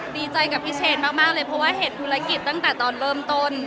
ดีใจกับพี่เชนมากเลยเพราะว่าเห็นธุรกิจตั้งแต่ตอนเริ่มต้น